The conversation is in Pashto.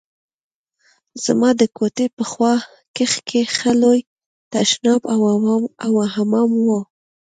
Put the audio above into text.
زما د کوټې په خوا کښې ښه لوى تشناب او حمام و.